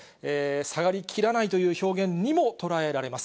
下がりきらないという表現にも捉えられます。